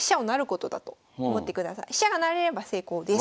飛車が成れれば成功です。